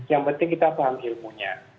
yang penting kita paham ilmunya